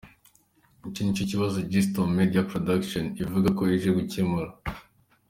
Iki nicyo kibazo G-Storm Media Productions ivuga ko ije gukemura.